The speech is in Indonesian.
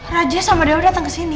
raja sama dewa datang kesini